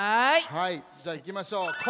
はいじゃあいきましょう。